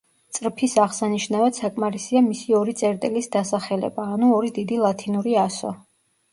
წრფის აღსანიშნავად საკმარისია მისი ორი წერტილის დასახელება, ანუ ორი დიდი ლათინური ასო.